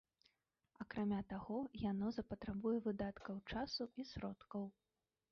Акрамя таго, яна запатрабуе выдаткаў часу і сродкаў.